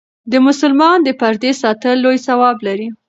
د مسلمان د پردې ساتل لوی ثواب لري.